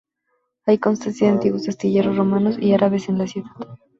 Hay constancia de antiguos astilleros romanos y árabes en la ciudad.